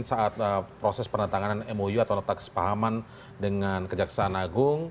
saat proses penentangan mou atau nota kesepahaman dengan kejaksaan agung